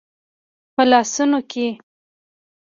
په لاسونو کې